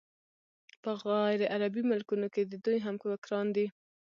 په غیرعربي ملکونو کې د دوی همفکران دي.